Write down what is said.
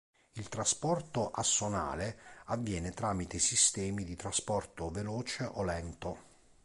Il trasporto assonale avviene tramite sistemi di trasporto veloce o lento.